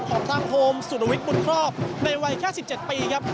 ของทางโฮมสุรวิทย์บุญครอบในวัยแค่๑๗ปีครับ